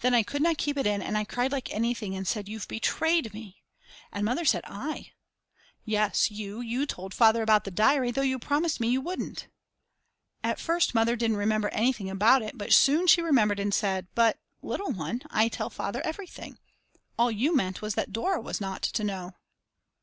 Then I could not keep it in and I cried like anything and said: You've betrayed me. And Mother said: "I?" Yes, you; you told Father about the diary though you promised me you wouldn't. At first Mother didn't remember anything about it, but soon she remembered and said: "But, little one, I tell Father everything. All you meant was that Dora was not to know."